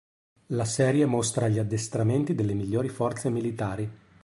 La serie mostra gli addestramenti delle migliori forze militari.